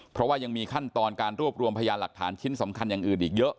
เพราะว่ายังมีขั้นตอนการรวบรวมพยานหลักฐานชิ้นสำคัญอย่างอื่นอีกเยอะ